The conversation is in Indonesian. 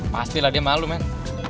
pastilah dia malu men